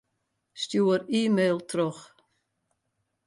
Stjoer e-mail troch.